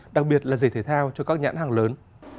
đặc biệt là giày thể thao cho các nhãn hàng lớn